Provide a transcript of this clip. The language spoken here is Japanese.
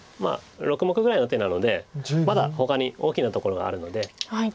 ６目ぐらいの手なのでまだほかに大きなところがあるので。